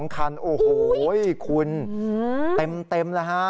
คันโอ้โหคุณเต็มแล้วฮะ